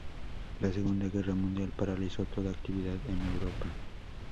La segunda guerra mundial paralizó toda actividad en Europa.